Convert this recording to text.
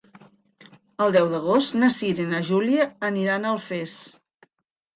El deu d'agost na Cira i na Júlia aniran a Alfés.